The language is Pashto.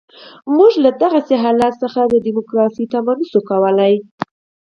موږ له دغسې حالت څخه د ډیموکراسۍ تمه نه شو کولای.